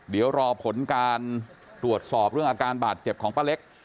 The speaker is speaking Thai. เดี๋ยวรอผลการตรวจสอบเรื่องอาการบาดเจ็บของป้าเล็ก